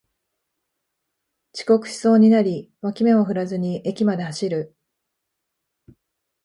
遅刻しそうになり脇目も振らずに駅まで走る